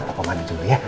papa mandi dulu ya